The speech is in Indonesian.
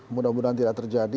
mudah mudahan tidak terjadi